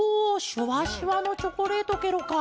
シュワシュワのチョコレートケロか！